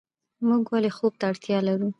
موږ ولې خوب ته اړتیا لرو